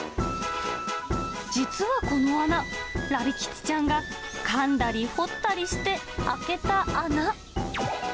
実はこの穴、ラビ吉ちゃんがかんだり掘ったりして開けた穴。